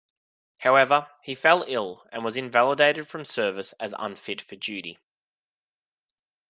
However, he fell ill and was invalided from service as unfit for duty.